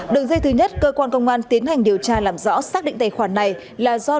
đường dây thứ nhất cơ quan công an tiến hành điều tra làm rõ xác định tài khoản này là do